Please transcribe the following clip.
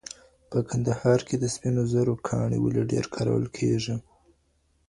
په کندهار کي د سپینو زرو ګاڼې ولي ډېري کارول کېږي؟